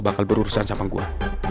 lo bakal berurusan sama gue